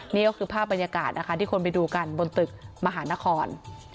นี่ก็คือภาพบรรยากาศนะคะที่คนไปดูกันบนตึกมหานคร